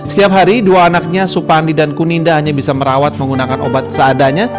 setiap hari dua anaknya supandi dan kuninda hanya bisa merawat menggunakan obat seadanya